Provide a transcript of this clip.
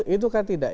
itu kan tidak